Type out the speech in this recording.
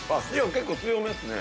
◆結構強めっすね。